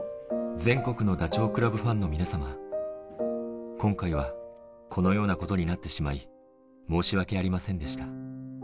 全国のダチョウ倶楽部ファンの皆様、今回はこのようなことになってしまい、申し訳ありませんでした。